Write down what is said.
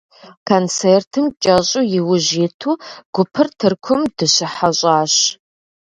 Концертым кӀэщӀу иужь иту, гупыр Тыркум дыщыхьэщӀащ.